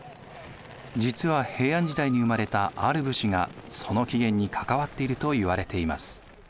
実は平安時代に生まれたある武士がその起源に関わっているといわれています。